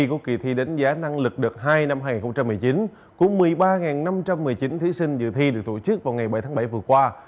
kỳ thi của kỳ thi đánh giá năng lực đợt hai năm hai nghìn một mươi chín của một mươi ba năm trăm một mươi chín thí sinh dự thi được tổ chức vào ngày bảy tháng bảy vừa qua